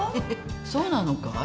そうなのかい？